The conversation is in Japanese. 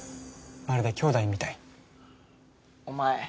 まるで姉弟みたいお前